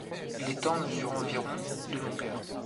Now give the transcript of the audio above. L'étang mesure environ de longueur.